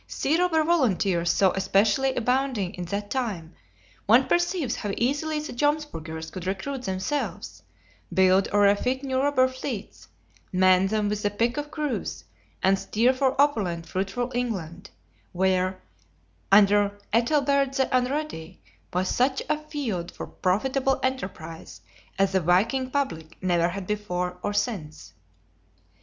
Sea robber volunteers so especially abounding in that time, one perceives how easily the Jomsburgers could recruit themselves, build or refit new robber fleets, man them with the pick of crews, and steer for opulent, fruitful England; where, under Ethelred the Unready, was such a field for profitable enterprise as the viking public never had before or since.